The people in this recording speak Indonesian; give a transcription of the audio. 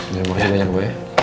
jangan berhasil tanya gue